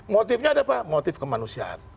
motifnya ada apa motif kemanusiaan